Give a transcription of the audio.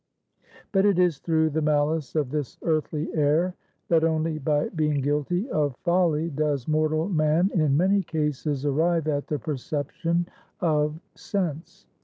But it is through the malice of this earthly air, that only by being guilty of Folly does mortal man in many cases arrive at the perception of Sense.